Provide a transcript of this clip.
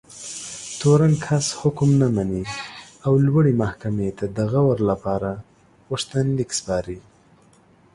تورن کس حکم نه مني او لوړې محکمې ته د غور لپاره غوښتنلیک سپاري.